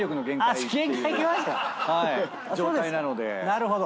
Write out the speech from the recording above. なるほど。